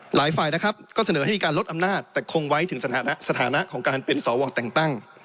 หลายฝ่ายนะครับก็เสนอให้มีการลดอำนาจแต่คงไว้ถึงสถานะสถานะของการเป็นสวแต่งตั้ง